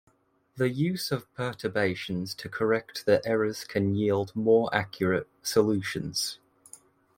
The use of perturbations to correct for the errors can yield more accurate solutions.